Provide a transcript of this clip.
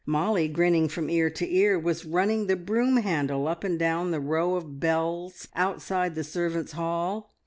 Molly, grinning from ear to ear, was running the broom handle up and down the row of bells outside the servants' hall.